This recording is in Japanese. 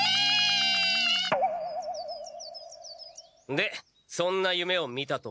でそんな夢を見たと？